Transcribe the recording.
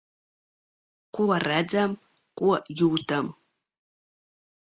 Ko redzam, ko jūtam.